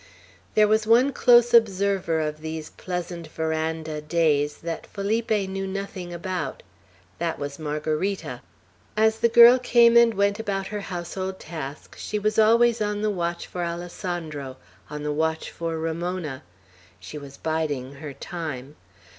There was one close observer of these pleasant veranda days that Felipe knew nothing about. That was Margarita. As the girl came and went about her household tasks, she was always on the watch for Alessandro, on the watch for Ramona. She was biding her time.